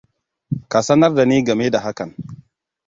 Ka sanar da ni game da hakan.